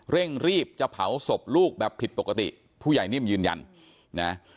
เร่งรีบจะเผาศพลูกแบบผิดปกติผู้ใหญ่นิ่มยืนยันนะ